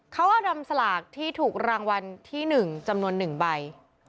เขาเอาดำสลากที่ถูกรางวัลที่๑จำนวน๑ใบ